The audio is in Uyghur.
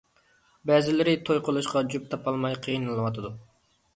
بەزىلىرى توي قىلىشقا جۈپ تاپالماي قىينىلىۋاتىدۇ.